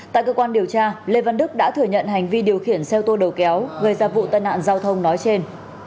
tại cơ quan điều tra lê văn đức đã thừa nhận hành vi điều khiển xe ô tô đầu kéo gây ra vụ tai nạn giao thông nói trên